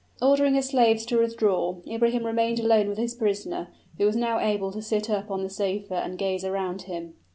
Ordering his slaves to withdraw, Ibrahim remained alone with his prisoner, who was now able to sit up on the sofa and gaze around him.